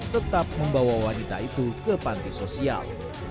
tetap membawa wanita itu ke panti sosial